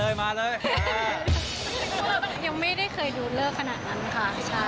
ยังไม่ได้เคยดูเลิศขนาดนี้ค่ะ